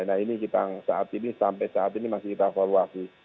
nah ini kita saat ini sampai saat ini masih kita evaluasi